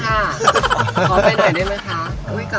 ขอไปหน่อยได้ไหมคะ